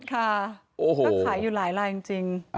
ต้องขายอยู่หลายรายจริง